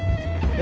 え？